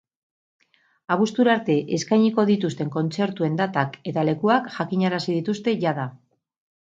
Abuztura arte eskainiko dituzten kontzertuen datak eta lekuak jakinarazi dituzte jada.